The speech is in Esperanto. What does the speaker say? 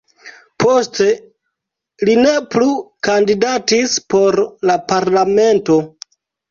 Poste li ne plu kandidatis por la parlamento.